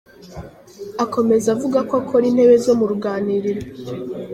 Akomeza avuga ko akora intebe zo mu ruganiriro.